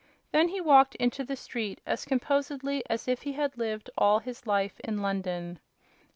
Then he walked into the street as composedly as if he had lived all his life in London.